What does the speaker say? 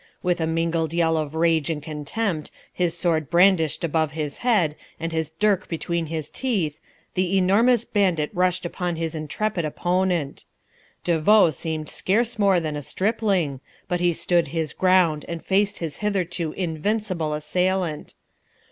With a mingled yell of rage and contempt, his sword brandished above his head and his dirk between his teeth, the enormous bandit rushed upon his intrepid opponent. De Vaux seemed scarce more than a stripling, but he stood his ground and faced his hitherto invincible assailant.